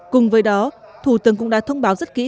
cùng với đó thủ tướng cũng đã thông báo rất kỹ